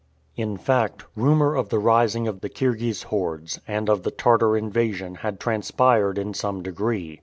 In fact, rumor of the rising of the Kirghiz hordes, and of the Tartar invasion had transpired in some degree.